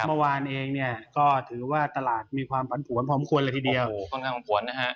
เมื่อวานเองก็ถือว่าตลาดมีความปันผวนพอมควรละทีเดียว